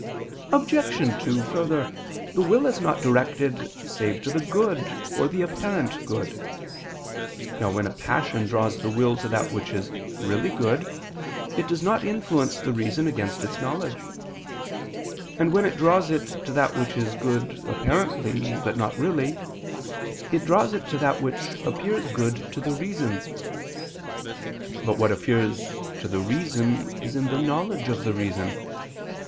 Obj. 2: Further, the will is not directed save to the good or the apparent good. Now when a passion draws the will to that which is really good, it does not influence the reason against its knowledge; and when it draws it to that which is good apparently, but not really, it draws it to that which appears good to the reason. But what appears to the reason is in the knowledge of the reason.